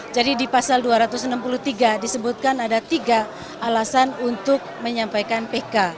jadi di pasal dua ratus enam puluh tiga disebutkan ada tiga alasan untuk menyampaikan pk